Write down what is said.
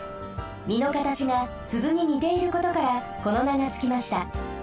みのかたちがスズににていることからこの名がつきました。